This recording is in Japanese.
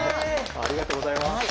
ありがとうございます。